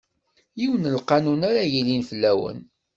Yiwen n lqanun ara yilin fell-awen.